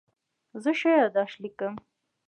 زه ښه یادښت لیکم.